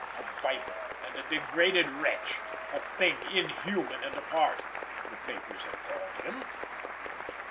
A viper and a degraded wretch, a thing inhuman and apart, the papers had called him.